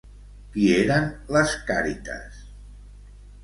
Qui eren les Càrites?